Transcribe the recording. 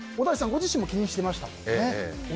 ご自身も気にしてましたもんね。